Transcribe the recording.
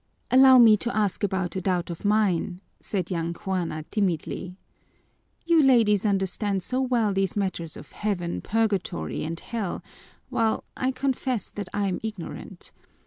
"Allow me to ask about a doubt of mine," said young Juana timidly. "You ladies understand so well these matters of heaven, purgatory, and hell, while I confess that I'm ignorant.